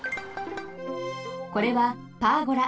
これはパーゴラ。